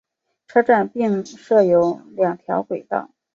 车站并设有两条轨道。